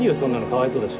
かわいそうだし。